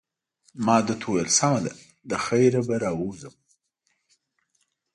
ما ده ته وویل: سمه ده، له خیره به راووځم.